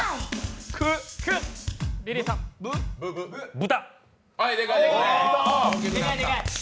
豚。